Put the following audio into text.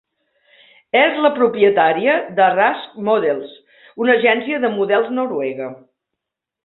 És la propietària de Rask Models, una agència de models noruega.